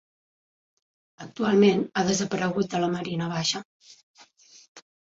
Actualment ha desaparegut de la Marina Baixa.